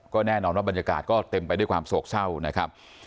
ก็แน่นอนว่าบรรยากาศก็เต็มไปด้วยความโศกเศร้านะครับ